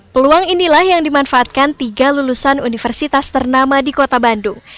peluang inilah yang dimanfaatkan tiga lulusan universitas ternama di kota bandung